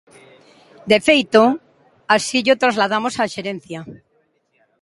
De feito, así llo trasladamos á Xerencia.